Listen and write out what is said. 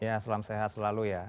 ya selamat sehat selalu ya